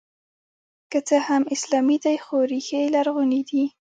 که څه هم اسلامي دی خو ریښې یې لرغونې دي